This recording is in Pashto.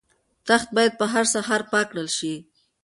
تخت باید په هره سهار پاک کړل شي.